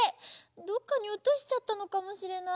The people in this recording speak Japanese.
どっかにおとしちゃったのかもしれない。